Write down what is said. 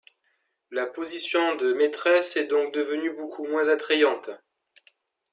La position de maîtresse est donc devenue beaucoup moins attrayante.